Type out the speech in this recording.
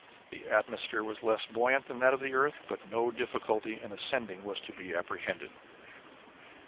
The atmosphere was less buoyant than that of the earth, but no difficulty in ascending was to be apprehended.